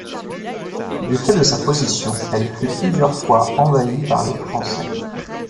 Du fait de sa position, elle fut plusieurs fois envahie par les Français.